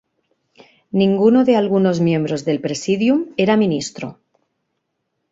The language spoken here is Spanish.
Ninguno de algunos miembros del Presidium era ministro.